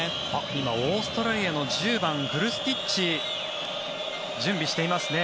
今、オーストラリアの１０番、フルスティッチ準備しています。